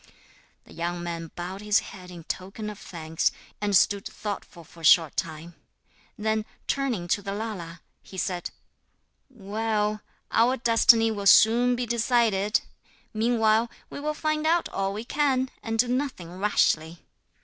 The young man bowed his head in token of thanks, and stood thoughtful for a short time. Then, turning to the Lala, he said: 'Well, our destiny will soon be decided! Meanwhile we will find out all we can, and do nothing rashly.'